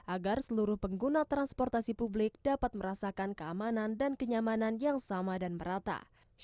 agar seluruh pengguna transportasi publik dapat merasakan keamanan dan kenyamanan yang sama dan merata